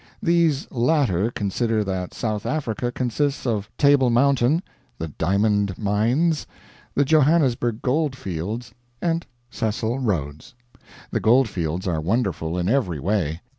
These latter consider that South Africa consists of Table Mountain, the diamond mines, the Johannesburg gold fields, and Cecil Rhodes. The gold fields are wonderful in every way.